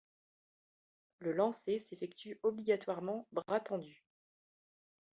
Le lancer s'effectue obligatoirement bras tendu.